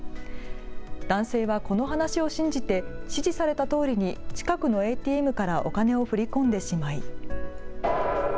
男性はこの話を信じて指示されたとおりに近くのＡＴＭからお金を振り込んでしまい。